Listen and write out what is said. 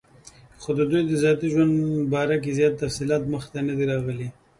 خو دَدوي دَذاتي ژوند باره کې زيات تفصيل مخې ته نۀ دی راغلی